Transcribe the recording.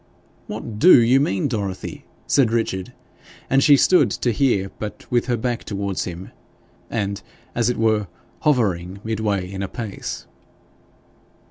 'What DO you mean, Dorothy?' said Richard; and she stood to hear, but with her back towards him, and, as it were, hovering midway in a pace.